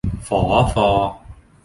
ฝอ ฟอ